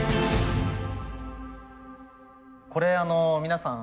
これ皆さん